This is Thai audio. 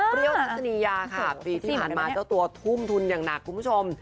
ทัศนียาค่ะปีที่ผ่านมาเจ้าตัวทุ่มทุนอย่างหนักคุณผู้ชม